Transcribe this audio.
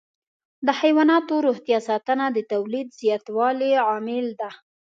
د حيواناتو روغتیا ساتنه د تولید د زیاتوالي عامل ده.